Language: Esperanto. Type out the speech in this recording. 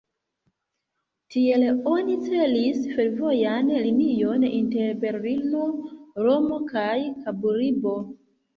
Tiel oni celis fervojan linion inter Berlino, Romo kaj Kaburbo.